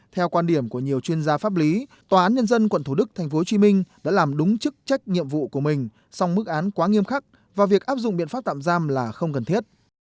theo quan điểm của nhiều chuyên gia pháp lý tòa án nhân dân quận thủ đức tp hcm đã làm đúng chức trách nhiệm vụ của mình song mức án quá nghiêm khắc và việc áp dụng biện pháp tạm giam là không cần thiết